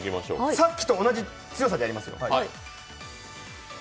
さっきと同じ強さでやりますよ。